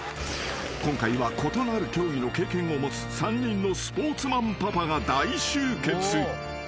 ［今回は異なる競技の経験を持つ３人のスポーツマンパパが大集結］